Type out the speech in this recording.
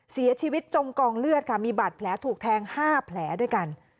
เสียชีวิตจมกองเลือดค่ะมีบัตรแผลถูกแทง๕แผลด้วยกัน